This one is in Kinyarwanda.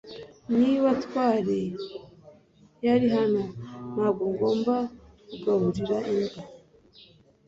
niba ntwali yari hano, ntabwo nagomba kugaburira imbwa